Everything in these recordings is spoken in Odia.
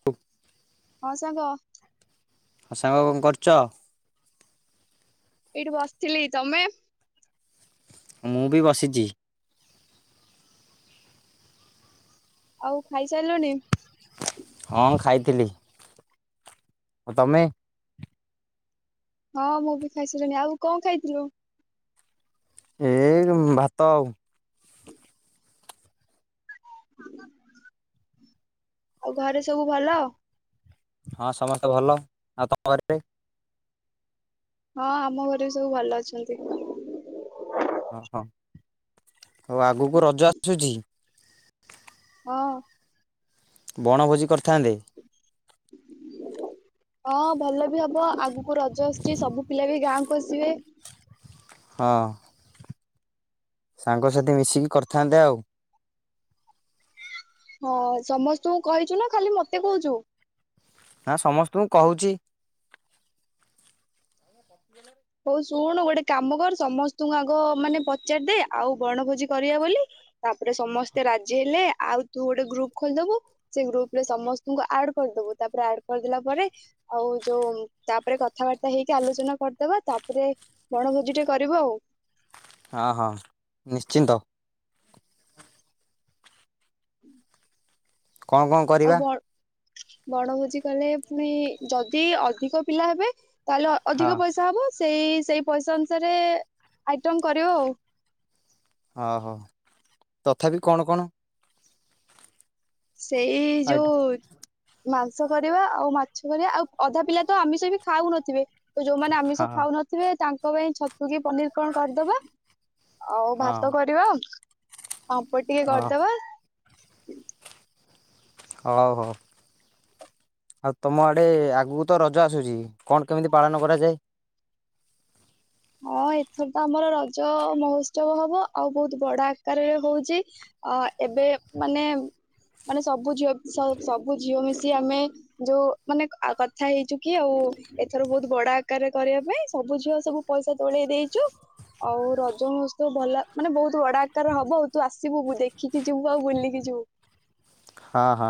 ହ ହଁ ସାଙ୍ଗ ହଉ ସାଙ୍ଗ କଣ କରୁଛ ଏଇଠି ବସିଥିଲି ତମେ ମୁଁ ବି ବସିଛି ଆଉ ଖାଇସାରିଲଣିି ତିିଲଲି ତମେ ହଁ ମୁଁ ବି ଖାଇସଣିି ଆଉ କଣ ଖାଇଥିଲୁ ଏ ଭାତ ଆଉ [inaudible] ଆଉ ଘରେ ସବୁ ଭଲ ହଁ ସମସ୍ତେ ଭଲ ଆଉ ତମ କରିବେ। ହଁ ଆମ ଘରେ ବି ସବୁ ଭଲ ଅଛନ୍ତି। ଓହୋ ହଉ ଆଗକୁ ରଜ ଆସୁଛି। ହଁ ବଣଭୋଜି କରିଥାନ୍ତେ। ହଁ ଭଲ ବି ହବ ଆଗ ରଜ ଆସୁଛି ସବୁ ପିଲା ବି ଗାଁ କସିବେ ହଁ ସାଙ୍ଗସାଥି ମିଶିକି କରିଥାନ୍ତେ ଆଉ ହଁ ସମସ୍ତଙ୍କୁ କହିଛୁ ନା ଖାଲି ମତେ କହୁଛୁ ହଁ ସମସ୍ତଙ୍କୁ କହୁଛି ହଉ ଶୁଣ ଗୋଟେ କାମ କର ସମସ୍ତଙ୍କୁ ଆଗ ମାନେ ପଚାରିଦେ ଆଉ ବଣଭୋଜି କରିବା ବୋଲି ତାପରେ ସମସ୍ତେ ରାଜି ହେଲେ ଆଉ ତୁ ଗୋଟେ ଗ୍ରୁପ ଖୋଲିଦବୁ ସେ ଗ୍ରୁପ ରେ ସମସ୍ତଙ୍କୁ ଆଡ କରିଦବୁ ତାପରେ ଆଡ କରିଦେଲା ପରେ ଆଉ ଯୋଉ ତାପରେ କଥାବାର୍ତ୍ତା ହେଇକି ଆଲୋଚନା କରିବୁ ଦେବା ତାପରେ ବଣଭୋଜି ଟେ କରିବ ଆଉ ହଁ ହଁ ନିଶ୍ଚିନ୍ତ ହୁଁ କଣ କଣ କରିବା ବଣଭୋଜି କଲେ ପୁଣି ଯଦି ଅଧିକ ପିଲା ହେବେ ତାହେଲେ ହଁ ଅଧିକ ପଇସା ହବ ସେଇ ସେଇ ପଇସା ଅନୁସାରେ ଆଇଟମ କରିବ ଆଉ ଓ ହୋ ତଥାପି କଣ କଣ ସେଇ ଆଇଟ ଯୋଉ ମାଂସ କରିବା ଆଉ ମାଛ କରିବା ଆଉ ଅଧା ପିଲା ତ ଆମିଷ ବି ଖାଉନଥିବେ ତ ଯୋଉମାନେ ଆମିଷ ହଁ ଖାଉନଥିବେ ତାଙ୍କ ଙ୍କ ପାଇଁ ଛତୁ କି ପନିର କଣ କରିଦବା ଆଉ ହଁ ଭାତ କରିବା ପାମ୍ପଡ ଟିକେ ହଁ କରିଦବା ହୁ [unintelligible] ହଉ ହଉ ଆଉ ତମ ଆଡେ ଆଗକୁ ତ ରଜ ଆସୁଛି କଣ କେମିତି ପାଳନ କରାଯାଏ ହଁ ଏଥର ତ ଆମର ରଜ ମହୋତ୍ସବ ହବ ଆଉ ବହୁତ ବଡ ଆକାରରେ ହଉଛି ଆ ଏବେ ମାନେ ମାନେ ସବୁ ଝିଅ ସ ସବୁ ଝିଅ ମିଶି ଆମେ ଯୋଉ ମାନେ କଥା ହେଇଛୁ କି ଆଉ ଏଥର ବହୁତ ବଡ ଆକାରରେ କରିବା ପାଇଁ ସବୁ ଝିଅ ସବୁ ପଇସା ତୋଳେଇ ଦେଇଛୁ ଆଉ ରଜ ମହୋତ୍ସବ ଭଲ ମାନେ ବହୁତ ବଡା ଆକାର ହବ ଆଉ ତୁ ଆସିବୁ ଦେଖିକି ଯିବୁ ଆଉ ବୁଲିକି ଯିବୁ ହଁ ହଁ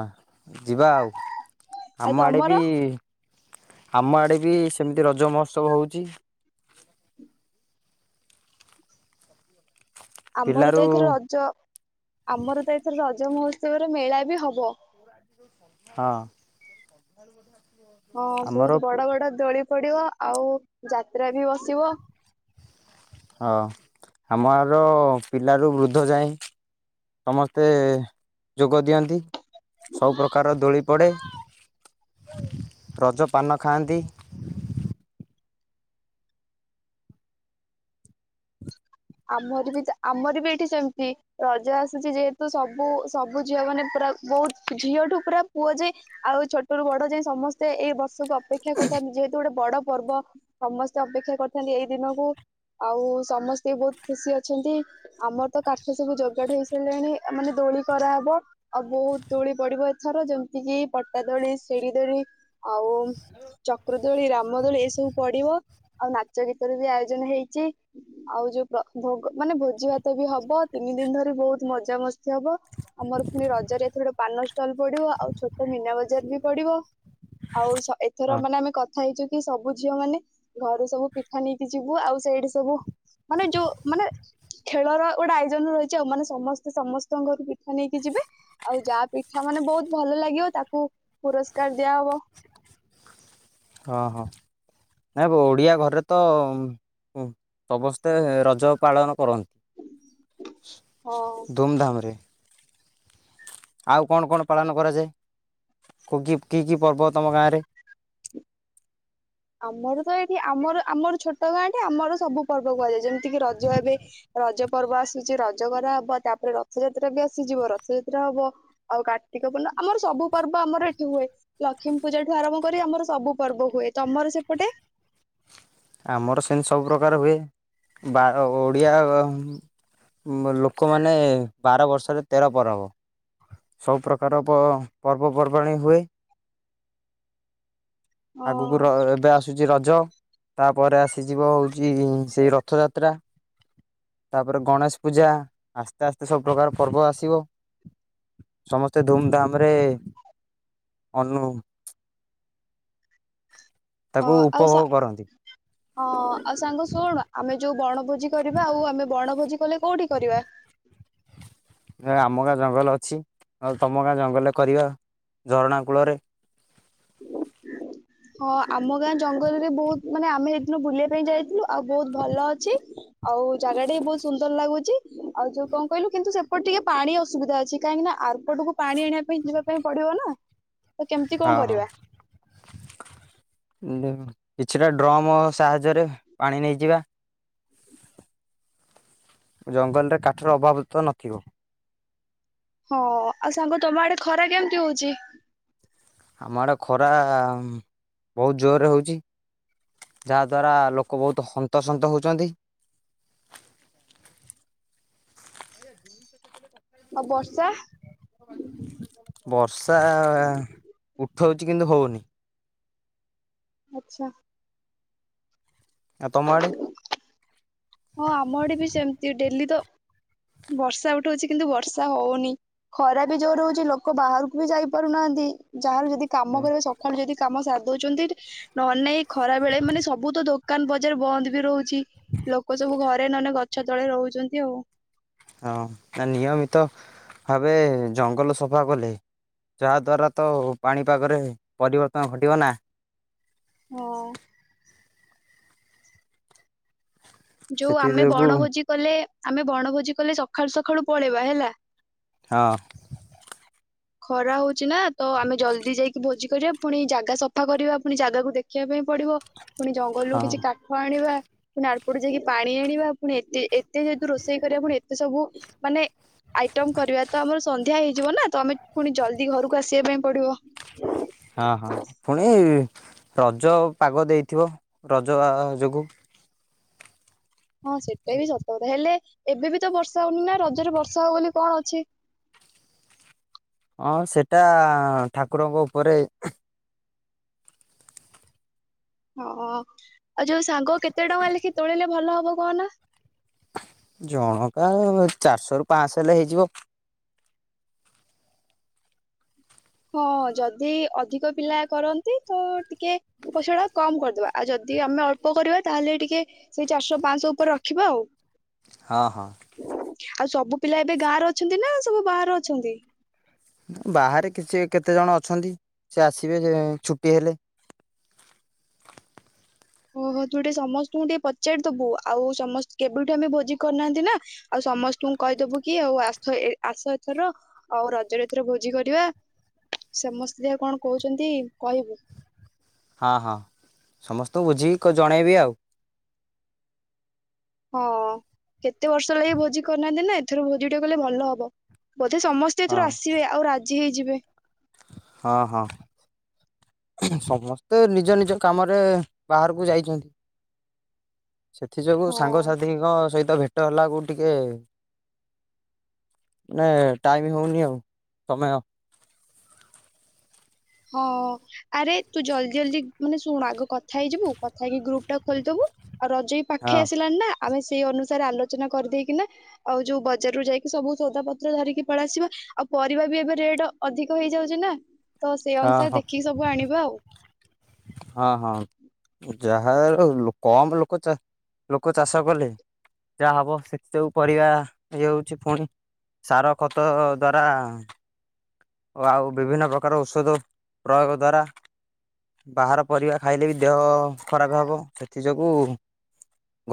ଯିବା ଆଉ ଆଉ ଆମ ଆଡ଼େ ବି ତମର ଆମ ଆଡ଼େ ବି ସେମିତି ରଜ ମହୋତ୍ସବ ହଉ ଚି ଆମର ପିଲାରୁ ତ ଏଥି ରଜ ଆମର ତ ଏଥି ରଜ ରଜ ମହୋତ୍ସବରେ ମେଳା ବି ହବ ହଁ ହଁ ଆମର ବହୁତ ବଡ ବଡ ଦୋଳି ପଡିବ ଆଉ ଯାତ୍ରା ବି ବସିବ। ହଁ ଆମର ପିଲାରୁ ବୃଦ୍ଧ ଯା ଏ ସମସ୍ତେ ଯୋଗ ଦିଅନ୍ତି। ସବୁପ୍ରକାରର ଦୋଳି ପଡ଼େ। ରଜ ପାନ ଖାଆନ୍ତି। ଆମର ବି ତ ଆମର ବି ଏଠି ସେମିତି ରଜ ଆସୁଛି ଯେହେତୁ ସବୁ ସବୁ ଝିଅ ମାନେ ପୁରା ବହୁତ ଝିଅଠୁ ପୁରା ପୁଅ ଯାଏ ଆଉ ଛୋଟରୁୁ ବଡ ଯାଏ ସମସ୍ତେ ଏଇ ବର୍ଷକୁ ଅପେକ୍ଷା କରିଥାନ୍ତି ଯେହେତୁ ଗୋଟେ ବଡ ପର୍ବ ସମସ୍ତେ ଅପେକ୍ଷା କରିଥାନ୍ତି ଏଇ ଦିନକୁ ଆଉ ସମସ୍ ତେ ବହୁତ ଖୁସି ଅଛନ୍ତି ଆମର ତ କାଠ ସବୁ ଯୋଗାଡ ହେଇ ସାରିଲାଣି ମାନେ ଦୋଳି କରାହବ ଆଉ ବହୁତ ଦୋଳି ପଡିବ ଏଥର ଯେମିତି କିି ପଟା ଦୋଳି ଶିଡି ଦୋଳି ଆଉ ଚକ୍ର ଦୋଳି ରାମ ଦୋଳି ଏସବୁ ପଡିବ ଆଉ ନାଚ ଗୀତରେ ବି ଆୟୋଜନ ହେଇଛି। ଆଉ ଯୋଉ ପ୍ର ଭୋଗ ମାନେ ଭୋଜି ଭାତ ବି ହବ ତିନି ଦିନ ଧରି ବହୁତ ମଜାମସ୍ତି ହବ ଆମର ପୁଣି ରଜରେ ଏଥିର ପାନ ଷ୍ଟଲ ପଡିବ ଆଉ ଛୋଟ ମିନା ବଜାର ବି ପଡିବ ଆଉ ସ ଏଥର ହଁ ମାନେ ଆମେ କଥା ହେଇଛୁ କି ସବୁ ଝିଅ ମାନେ ଘରୁ ସବୁ ପିଠା ନେଇକି ଯିବୁ ଆଉ ସେଇଠ ସବୁ ମାନେ ଯୋଉ ମାନେ ଖେଳର ଗୋଟେ ଆୟୋଜନ ରହିଛି ଆଉ ମାନେ ସମସ୍ତେ ସମସ୍ତଙ୍କ ଘରୁ ପିଠା ନେଇକି ଯିବେ ଆଉ ଯାହା ପିଠା ମାନେ ବହୁତ ଭଲ ଲାଗିବ ତାକୁ ପୁରସ୍କାର ଦିଆ ହବ ହଁ ହଁ ଆଉ ଓଡ଼ିଆ ଘରେ ତ ଉଁ ଉଁ ସମସ୍ତେ ରଜ ପାଳନ କରନ୍ତି। ହଁ। ଦୁମଧାମରେ ଆଉ କଣ କଣ ପାଳନ କରାଯାଏ କୋ କି କି କି ପର୍ବ ତମ ଗାଁରେ ଆମର ତ ଏଇଠି ଆମର ଆମର ଛୋଟ ଗାଁଟେ ଆମର ସବୁ ପର୍ବ କୁହାଯାଏ ଯେମିତି ଟିକେ ରଜ ଏବେ ରଜ ପର୍ବ ଆସୁଛି ରଜ କରା ହବ ତାପରେ ରଥଯାତ୍ରା ବି ଆସିଯିବ ରଥଯାତ୍ରା ହବ ଆଉ କାର୍ତ୍ତିକ ପୂର୍ଣ୍ଣ ଆମର ସବୁ ପର୍ବ ଆମର ଏଠି ହୁଏ ଲକ୍ଷ୍ମୀ ପୂଜା ଠୁ ଆରମ୍ଭ କରି ଆମର ସବୁ ପର୍ବ ହୁଏ। ତମର ସେପଟେ ଆମର ସେମିତି ସବୁ ପ୍ରକାର ହୁଏ ବାର ଓଡ଼ିଆ ମ ଲୋକମାନେ ବାର ବର୍ଷରେ ତେର ପର୍ବ ସବୁପ୍ରକାର ପର୍ବପର୍ବାଣି ହୁଏ। ଅ ଆଗକୁ ର ଏବେ ଆସୁଛି ରଜ ତାପରେ ଆସିଯିବ ହଉଛି ସେଇ ରଥଯାତ୍ରା ତାପରେ ଗଣେଶ ପୂଜା ଆସ୍ତେ ଆସ୍ତେ ସବୁ ପ୍ରକାର ପର୍ବ ଆସିବ ସମସ୍ତେ ଧୁମଧାମ ରେ ଅନୁ ତାକୁ ହଁ ଆଉ ଉପଭୋଗ ସା କରନ୍ତି ହଁ ଆଉ ସାଙ୍ଗ ଶୁଣ ଆମେ ଯୋଉ ବଣଭୋଜି କରିବା ଆଉ ଆମେ ବଣ ଭୋଜି କଲେ କୋଉଠି କରିବା ଆମ ଗାଁ ଜଙ୍ଗଲ ଅଛି ତମ ଗାଁ ଜଙ୍ଗଲରେ କରିବା ଝରଣା କୂଳରେ ହଁ ଆମ ଗାଁ ଜଙ୍ଗଲରେ ବହୁତ ମାନେ ଆମେ ସେଇିନୁ ବୁଲିବା ପାଇଁ ଯାଇଥିଲୁ ଆଉ ବହୁତ ଭଲ ଅଛି ଆଉ ଜାଗା ଟା ବି ବହୁତ ସୁନ୍ଦର ଲାଗୁଛି ଆଉ ଯୋଉ କଣ କହିଲୁ କିନ୍ତୁ ସେପଟ ଟିକେ ପାଣି ଅସୁବିଧା ଅଛି କାହିଁକି ନା ଆରପଟକୁ ପାଣି ଆଣିବା ପାଇଁ ଯିବା ପାଇଁ ପଡିବ ନା ତ କେମିତି କଣ କରିବା। କିଛିଟା ଡ୍ରମ୍ ସାହାଯ୍ୟରେ ପାଣି ନେଇଯିବା ଜଙ୍ଗଲରେ କାଠର ଅଭାବ ତ ନଥିବ ହଁ ଆଉ ସାଙ୍ଗ ତମ ଆଡେ ଖରା କେମତି ହଉଛି ଆମ ଆଡ଼େ ଖରା ବହୁତ ଜୋରରେ ହଉଛି ଯାହାଦ୍ୱାରା ଲୋକ ବହୁତ ହନ୍ତସନ୍ତ ହଉଛନ୍ତି। ଆଉ ବର୍ଷା ବର୍ଷା ଉଠଉଛି କିନ୍ତୁ ହଉନି ଆଚ୍ଛା ଆଉ ତମ ଆଡ଼େ ହଁ ଆମ ଆଡେ ବି ସେମତି ଡେଲି ତ ବର୍ଷା ଉଠଉଛି କିନ୍ତୁ ବର୍ଷା ହଉନି ଖରା ବି ଜୋର ହଉଛି ଲୋକ ବାହାରକୁ ବି ଯାଇ ପାରୁନାହାନ୍ତି। ଯାହାର ଯଦି କାମ କରିବ ସକାଳୁ ଯଦି କାମ ସାର ଦଉଛନ୍ତି ନହେ ନାଇ ଖରା ବେଳେ ମାନେ ସବୁ ତ ଦୋକାନ ବଜାର ବନ୍ଦ ବି ରହୁଛି ଲୋକ ଲୋକ ସବୁ ଘରେ ନହେଲେ ଗଛ ତଳେ ରହୁଛନ୍ତି ଆଉ ହଁ ନା ନିୟମିତ ଭାବେ ଜଙ୍ଗଲ ସଫା କଲେ ଯାହା ଦ୍ୱାରା ତ ପାଣିପାଗରେ ପରିବର୍ତ୍ତନ ଘଟିବ ନା ହଁ ଯୋଉ ସେଥି ଆମେ ଯୋଗୁ ବଣଭୋଜି କଲେ ଆମେ ବଣଭୋଜି କଲେ ସକାଳୁ ସକାଳୁ ପଳେଇବା ହେଲା। ହଁ ଖରା ହଉଛି। ନା ତ ଆମେ ଜଲ୍ଦି ଯାଇକି ଭୋଜି କରିବା ପୁଣି ଜାଗା ସଫା କରିବା ପୁଣି ଜାଗାକୁ ଦେଖିବା ପାଇଁ ପଡିବ ପୁଣି ଜଙ୍ଗଲରୁୁ ହଁ କିଛି କାଠ ଆଣିବା ପୁଣି ଆଳପଟୁ ଯାଇକି ପାଣି ଆଣିବା ପୁଣି ଏତେ ଏତେ ଯେହେତୁ ରୋଷେଇ କରିବା ପୁଣି ଏତେ ସବୁ ମାନେ ଆଇଟମ କରିବା ତ ଆମର ସନ୍ଧ୍ୟା ହେଇଯିବ ନା ତ ଆମେ ପୁଣି ଜଲଦି ଘରକୁ ଆସିବା ପାଇଁ ପଡିବ। ହଁ ହଁ ପୁଣି ରଜ ପାଗ ଦେଇଥିବ ରଜ ଯୋଗୁ ହଁ ସେଇଟା ବି ସତର ହେଲେ ଏବେ ବି ତ ବର୍ଷ ଉି ନା ରଜରେ ବର୍ଷା ହଉ ବୋଲିଲେ କଣ ଅଛି। ହଁ ସେଟା ଠାକୁରଙ୍କ ଉପରେ ହଁ ଆଉ ଯୋଉ ସାଙ୍ଗ କେତେ ଟଙ୍କା ଲେଖି ତୋଳିଲେ ଭଲ ହବ କହନା ଜଣକା ଚାରିଶହ ରୁ ପାଞ୍ଚଶହ ହେଲେ ହେଇଯିବ। ହଁ ଯଦି ଅଧିକ ପିଲା କରନ୍ତି ତ ଟିକେ ଉପଇସା ଟା କମ କରିଦବା ଆଉ ଯଦି ଆମେ ଅଳ୍ପ କରିବା ତାହେଲେ ଟିକେ ସେଇ ଚାରିଶହ ପାଞ୍ଚଶହ ଉପରେ ରଖିବା ଆଉ ହଁ ହଁ ଆଉ ସବୁ ପିଲା ଏବେ ଗାଁ ର ଅଛନ୍ତି ନା ସବୁ ବାହ ଅଛନ୍ତି। ବାହାରେ କିଛି କେତେ ଜଣ ଅଛନ୍ତି ସେ ଆସିବେ ଛୁଟି ହେଲେ ଓହୋ ତୁ ଟିକେ ସମସ୍ତଙ୍କୁ ଟିକେ ପଚାରିଦବୁ ଆଉ ସମସ୍ତ କେବେଠୁ ଆମେ ଭୋଜି କରିନାହାନ୍ତି ନା ଆଉ ସମସ୍ତଙ୍କୁ କହିଦବୁ କି ଆଉ ଆସ ଆସ ଏଥର ଆଉ ରଜରେ ଏଥର ଭୋଜି କରିବା ସମସ୍ତେ ଯ କଣ କହୁଛନ୍ତି କହିବୁ ହଁ ହଁ ସମସ୍ତଙ୍କୁ ବୁଝିକି ଜଣେଇବି ଆଉ ହଁ କେତେ ବର୍ଷ ଲାଗି ଭୋଜି କରିନାହାନ୍ତି ନା ଏଥର ଭୋଜି ଟେ କଲେ ଭଲ ହବ ବୋଧେ ସମସ୍ତେ ହଁ ଏଥିରୁ ଆସିବେ ଆଉ ଆଜି ହେଇଯିବେ ହଁ ହଁ ସମସ୍ତେ ନିଜ ନିଜ କାମରେ ବାହାରକୁ ଯାଇଛନ୍ତି ସେଥି ଯୋଗୁ ହଁ ସାଙ୍ଗସାଥିୀଙ୍କ ସହିତ ଭେଟ ଗଟ ହେଲା କ ଟିକେ ମାନେ ଟାଇମ ହଉନି ଆଉ ସମୟ ହଁ ଆରେ ତୁ ଜଲ୍ଦି ଜଲଦି ମାନେ ଶୁଣ ଆଗ କଥା ହେଇଯିବୁ କଥା ହେଇକି ଗ୍ରୁପ ଟା ଖୋଲିଦବୁ ଆଉ ରଜ ବି ପାଖେଇ ହଁ ଆସିଲାନି ନା ଆମେ ସେଇ ଅନୁସାରେ ଆଲୋଚନା କରିଦେଇକିନା ଆଉ ଯୋଉ ବଜାରରୁୁ ଯାଇକି ସବୁ ସୌଦା ପତ୍ର ଧରିକି ପଳସିବା ଆଉ ପରିବା ବି ଏବେ ରେଟ ଅଧିକ ହେଇଯାଉଛି ନା ତ ସେଇ ଅନୁସାରେ ହଁ ଦେଖିକି ସବୁ ଆଣିବା ଆଉ ହଁ ହଁ ଯାହା କମ୍ ଲୋକ ଲୋକ ଚାଷ କଲେ ଯାହା ହବ ସେଥି ସବୁ ପରିବା ଇଏ ହଉଛି ପୁଣି ସାର ଖତ ଦ୍ଵାରା ଓ ଆଉ ବିଭିନ୍ନ ପ୍ରକାର ଔଷଧ ପ୍ରୟୋଗ ଦ୍ଵାରା, ବାହାର ପରିବା ଖାଇଲେ ବି ଦେହ ଖରାପ ହବ ସେଥି ଯୋଗୁ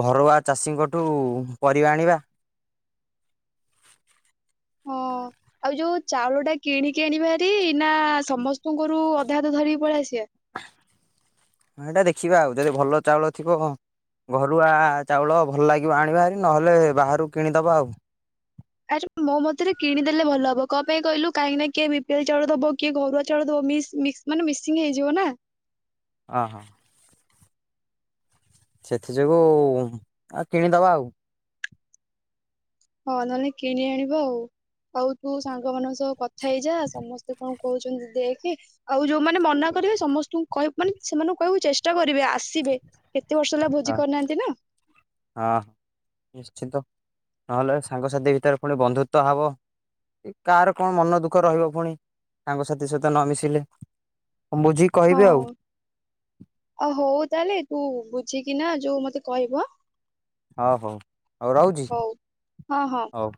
ଘରୁଆ ଚାଷୀଙ୍କଠୁ ପରିବା ଆଣିବା ହଁ ଆଉ ଯୋଉ ଚାଉଳ ଟା କିଣିକି ଆଣିବା ହାରି ନା ସମସ୍ତଙ୍କରୁ ଅଧା ହଧ ଧରିକି ପଳେଇ ଆସିବା ହଁ ଏଇଟା ଦେଖିବା ଆଉ ଯଦି ଭଲ ଚାଉଳ ଥିବ ଘରୁଆ ଚାଉଳ ଭଲ ଲାଗିବ ଆଣିବାରି ନହେଲେ ବାହାରୁ କିଣିଦେବା ଆଉ ଆରେ ମୋ ମତରେ କିଣିଦେଲେ ଭଲ ହବ କ ପାଇଁ କହିଲୁ କାହିଁକି ନା କିଏ ବି ପିଏଲ ଚଳୁ ଦବ କିଏ ଘରୁଆ ଚଳୁ ମାନେ ମିସିଂ ହେଇଯିବ ନା ହ ହଁ ସେଥି ଯୋଗୁ ଆଉ କିଣିଦବା ଆଉ। ହଁ ନହେଲେ କିଣି ଆଣିବା ଆଉ, ଆଉ ତୁ ସାଙ୍ଗ ମାନଙ୍କ ସହ କଥା ହେଇଯା ସମସ୍ତେ କଣ କହୁଛନ୍ତି ଦେଖ, ଆଉ ଯୋଉମାନେ ମନା କରିବେ ସମସ୍ତଙ୍କୁ ମାନେ ସେମାନଙ୍କୁ କହିବାକୁ ଚେଷ୍ଟା କରିବେ ଆସିବେ- କେତେ ବର୍ଷ ହେଲା ଭୋଜି ହଁ କରିନାହାନ୍ତି ନା- ହଁ ନିଶ୍ଚିନ୍ତ ନହେଲେ ସାଙ୍ଗସାଥି ଭିତରେ ପୁଣି ବନ୍ଧୁତଵ ହବ କାହାର କଣ ମନ ଦୁଃଖ ରହିବ ପୁଣି ସାଙ୍ଗସାଥି ସହିତ ନ ମିିଶିଲେ ହଁ ଆ ହଉ ତାହଲେ ତୁ ଅଛି କି ନା ଯୋଉ ମତେ କହିବ ହଉ ହଉ ହଉ ରହୁଛି ହଁ ହଁ। ହଉ।